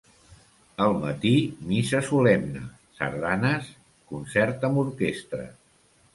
Al matí missa solemne, sardanes, concert amb orquestra.